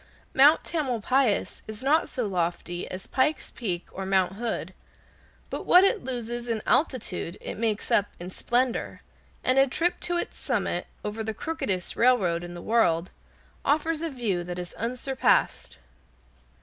Mount Tamalpais is not so lofty as Pike's Peak, or Mount Hood, but what it loses in altitude it makes up in splendor, and a trip to its summit, over the crookedest railroad in the world, offers a view that is unsurpassed.